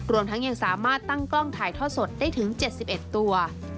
รวมทั้งยังสามารถตั้งกล้องถ่ายทอดสดได้ถึง๗๑ตัว